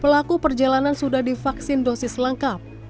pelaku perjalanan sudah divaksin dosis lengkap